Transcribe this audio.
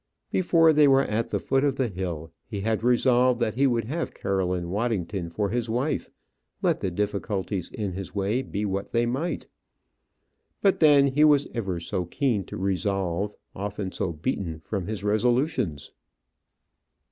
Before they were at the foot of the hill, he had resolved that he would have Caroline Waddington for his wife, let the difficulties in his way be what they might. But then he was ever so keen to resolve; so often beaten from his resolutions!